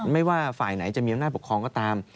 ไม่ว่าฝ่ายไหนจะมีอำนาจปกครองก็ตาม